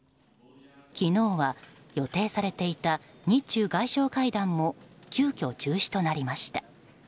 昨日は予定されていた日中外相会談も急きょ中止となりました。